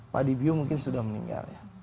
pak dibiu mungkin sudah meninggal